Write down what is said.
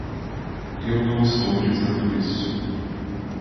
Eu não estou dizendo isso.